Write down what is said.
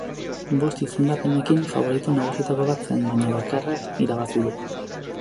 Bost izendapenekin, faborito nagusietako bat zen, baina bakarra irabazi du.